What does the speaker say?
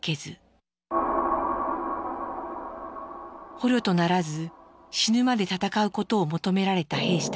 捕虜とならず死ぬまで戦うことを求められた兵士たち。